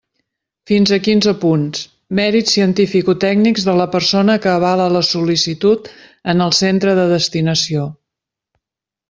Fins a quinze punts: mèrits cientificotècnics de la persona que avala la sol·licitud en el centre de destinació.